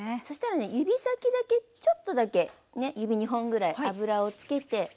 そしたらね指先だけちょっとだけ指２本ぐらい油を付けて。